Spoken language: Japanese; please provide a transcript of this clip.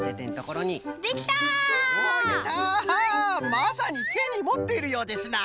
まさにてにもっているようですな！